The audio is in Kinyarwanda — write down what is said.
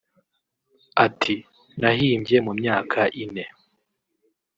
Ati “Nayihimbye mu myaka ine